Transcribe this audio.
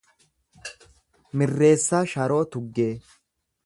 Mirreessaa Sharoo Tuggee